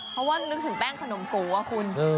เพราะว่านึกถึงแป้งขนมโกอะคุณ